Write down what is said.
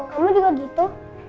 kamu juga gitu